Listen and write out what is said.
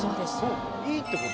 良いってこと。